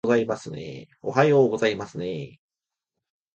おはようございますねー